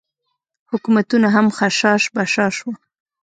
حکومتونه هم خشاش بشاش وو.